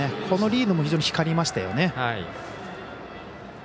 このリードも非常に光りましたよね。